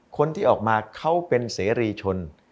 คนที่ออกมาเขาเป็นเสรีชน